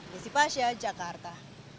desi fasya jakarta